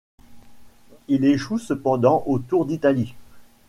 Il échoue cependant au Tour d'Italie.